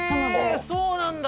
そうなんだ！